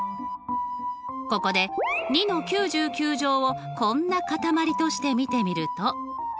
ここで２の９９乗をこんな固まりとして見てみると。